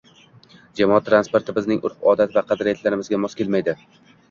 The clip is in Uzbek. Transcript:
Jamoat transporti bizning urf -odat va qadriyatlarimizga mos kelmaydi